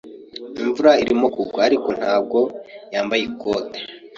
Imvura irimo kugwa, ariko ntabwo yambaye ikote.